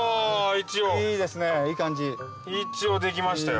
一応出来ましたよ。